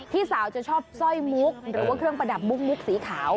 พี่สาวจะชอบสร้อยมุกหรือว่าเครื่องประดับมุกสีขาว